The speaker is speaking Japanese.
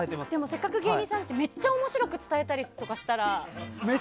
せっかく芸人さんだしめっちゃ面白く伝えたりしたら。